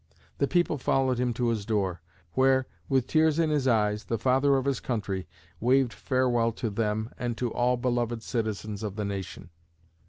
The people followed him to his door, where, with tears in his eyes, the "Father of his Country" waved farewell to them and to all beloved citizens of the nation.